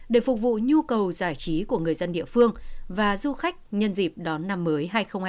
để phục vụ nhu cầu giải trí của người dân địa phương và du khách nhân dịp đón năm mới hai nghìn hai mươi